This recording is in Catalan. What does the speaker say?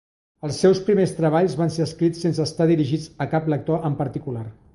Els seus primers treballs van ser escrits sense estar dirigits a cap lector en particular.